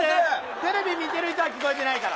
テレビ見てる人は聞こえてないから。